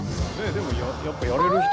でもやっぱやれる人のおお！